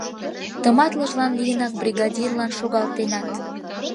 Тыматлыжлан лийынак бригадирлан шогалтенат.